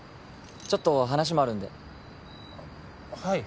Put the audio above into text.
ちょっと話もあるんであっはい